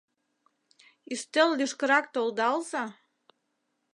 Ӱстел лишкырак толдалза.